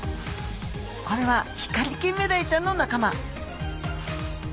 これはヒカリキンメダイちゃんの仲間。